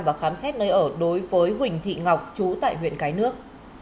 và khám xét nơi ở đối với huỳnh thị ngọc chú tại huyện cái nước